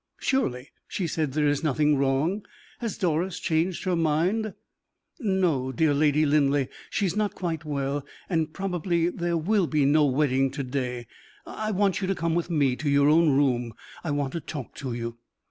"Surely," she said, "there is nothing wrong! Has Doris changed her mind?" "No, dear Lady Linleigh: she is not quite well; and probably there will be no wedding to day. I want you to come with me to your own room I want to talk to you."